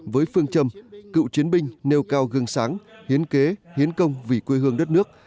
với phương châm cựu chiến binh nêu cao gương sáng hiến kế hiến công vì quê hương đất nước